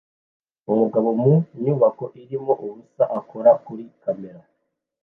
Umugabo mu nyubako irimo ubusa akora kuri kamera